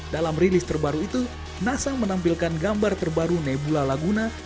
dalam rilis terbaru itu nasa menampilkan gambar terbaru nebula laguna